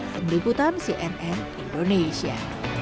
berikutan cnn indonesia